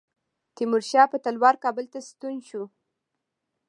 تیمورشاه په تلوار کابل ته ستون شو.